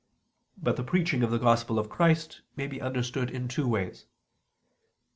But the preaching of the Gospel of Christ may be understood in two ways.